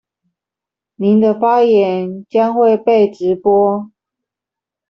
您的發言將會被直播